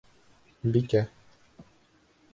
Бикә